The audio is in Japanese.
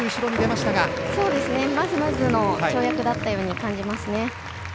まずまずの跳躍だったように感じますね。